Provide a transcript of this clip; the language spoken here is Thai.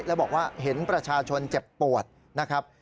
แล้วบอกว่าเห็นประชาชนเจ็บปวดนะครับ